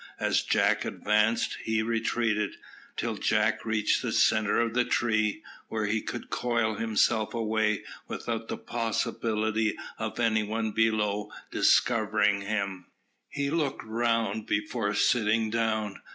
As Jack advanced, he retreated, till Jack reached the centre of the tree, where he could coil himself away without the possibility of any one below discovering him. He looked round before sitting down.